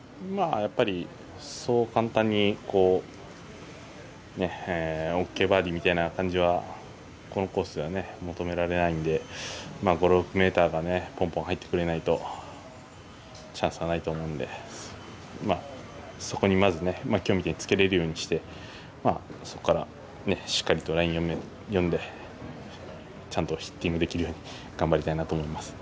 やっぱり、そう簡単にＯＫバーディーみたいな感じはこのコースでは求められないので５６ｍがポンポン入ってくれないとチャンスはないと思うのでそこにまず今日みたいにつけれるようにしてそこからしっかりとラインを読んでちゃんとヒッティングできるように頑張りたいなと思います。